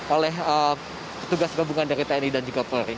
oleh petugas gabungan dari tni dan juga polri